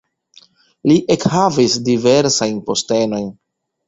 Li ekhavis diversajn postenojn.